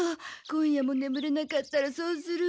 今夜もねむれなかったらそうする。